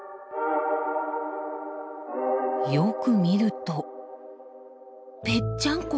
よく見るとぺっちゃんこ。